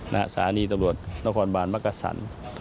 สถานีตำรวจนครบาลมักกะสัน